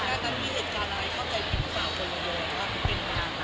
แล้วตอนนี้เหตุการณ์อะไรเข้าใจจริงหรือเป็นงานหรือเปล่า